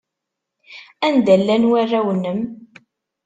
Anda llan warraw-nnem?